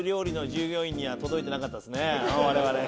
我々。